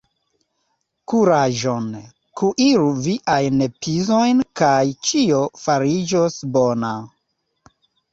Kuraĝon! Kuiru viajn pizojn kaj ĉio fariĝos bona!